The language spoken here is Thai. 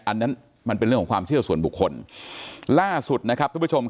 อันนั้นมันเป็นเรื่องของความเชื่อส่วนบุคคลล่าสุดนะครับทุกผู้ชมครับ